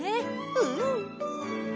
うん。